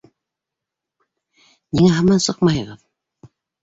Ниңә һаман сыҡмайһығыҙ?